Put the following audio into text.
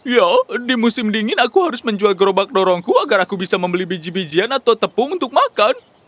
ya di musim dingin aku harus menjual gerobak dorongku agar aku bisa membeli biji bijian atau tepung untuk makan